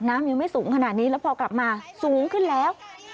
น้ำยังไม่สูงขนาดนี้แล้วพอกลับมาสูงขึ้นแล้ว